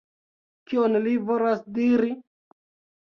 Kion li volas diri?